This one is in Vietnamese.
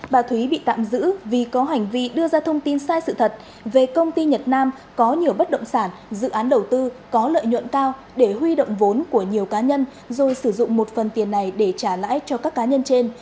bà thúy bị tạm giữ vì có hành vi đưa ra thông tin sai sự thật về công ty nhật nam có nhiều bất động sản dự án đầu tư có lợi nhuận cao để huy động vốn của nhiều cá nhân rồi sử dụng một phần tiền này để trả lãi cho các cá nhân trên